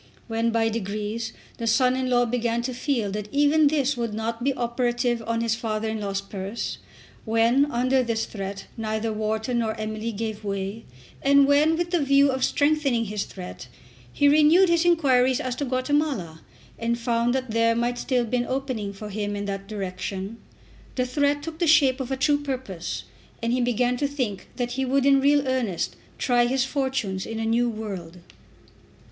When by degrees the son in law began to feel that even this would not be operative on his father in law's purse, when under this threat neither Wharton nor Emily gave way, and when, with the view of strengthening his threat, he renewed his inquiries as to Guatemala and found that there might still be an opening for him in that direction, the threat took the shape of a true purpose, and he began to think that he would in real earnest try his fortunes in a new world.